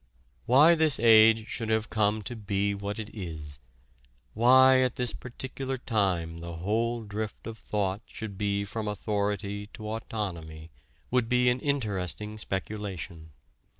Why this age should have come to be what it is, why at this particular time the whole drift of thought should be from authority to autonomy would be an interesting speculation.